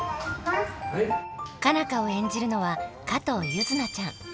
佳奈花を演じるのは加藤柚凪ちゃん。